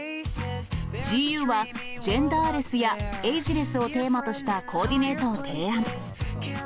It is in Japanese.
ＧＵは、ジェンダーレスやエイジレスをテーマとしたコーディネートを提案。